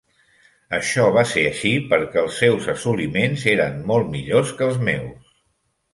Això va ser així perquè els seus assoliments eren molt millors que els meus.